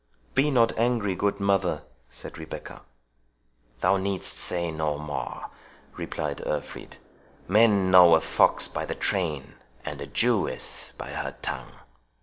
"Be not angry, good mother," said Rebecca. "Thou needst say no more," replied Urfried "men know a fox by the train, and a Jewess by her tongue."